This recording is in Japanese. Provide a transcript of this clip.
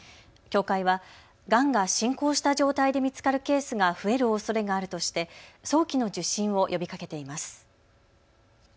協会は、がんが進行した状態で見つかるケースが増えるおそれがあるとして早期の受診を呼びかけています。